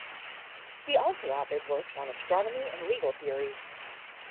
He also authored works on astronomy and legal theory.